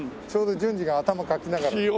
ちょうど純次が頭かきながら。